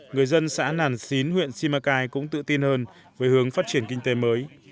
người dân xã nàn xín huyện simacai cũng tự tin hơn với hướng phát triển kinh tế mới